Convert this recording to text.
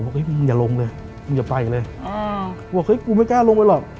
เฮ้มึงอย่าลงเลยมึงอย่าไปเลยบอกเฮ้ยกูไม่กล้าลงไปหรอก